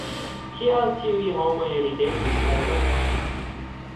Kial tiuj homoj ridetis kaj mokis?